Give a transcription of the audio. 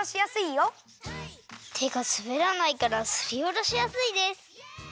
てがすべらないからすりおろしやすいです。